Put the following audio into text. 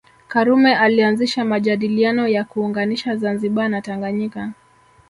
Karume alianzisha majadiliano ya kuunganisha Zanzibar na Tanganyika